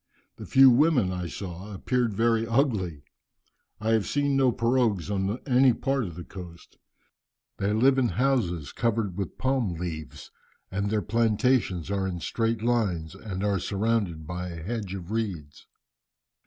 The few women I saw appeared very ugly. I have seen no pirogues on any part of the coast. They live in houses covered with palm leaves, and their plantations are in straight lines and are surrounded by a hedge of reeds."